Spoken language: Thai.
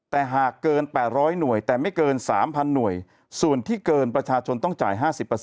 แต่หากเกิน๘๐๐หน่วยแต่ไม่เกิน๓๐๐หน่วยส่วนที่เกินประชาชนต้องจ่าย๕๐